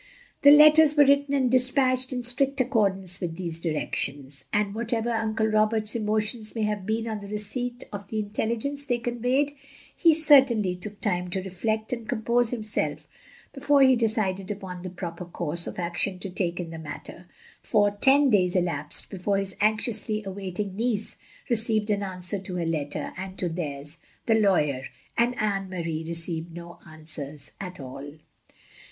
The letters were written and despatched in strict accordance with these directions ; and, what ever Uncle Roberts's emotions may have been on the receipt of the intelligence they conveyed, he certainly took time to reflect and compose himself before he decided upon the proper course of action to take in the matter; for ten days elapsed before his anxiously awaiting niece re ceived an answer to her letter; and to theirs, the lawyer and Anne Marie revived no answers at all.